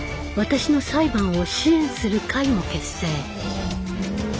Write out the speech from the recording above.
私の裁判を支援する会も結成。